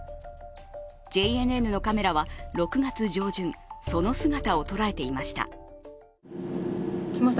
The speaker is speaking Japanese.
ＪＮＮのカメラは６月上旬、その姿を捉えていました。来ました、